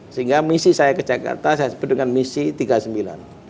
sehingga misi saya ke jakarta saya sebut dengan misi tiga puluh sembilan